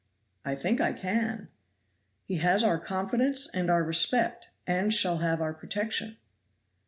"I think I can." "He has our confidence and our respect, and shall have our protection."